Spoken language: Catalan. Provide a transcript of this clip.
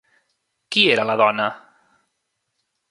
Qui era la dona?